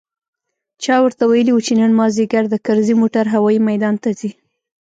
چا ورته ويلي و چې نن مازديګر د کرزي موټر هوايي ميدان ته ځي.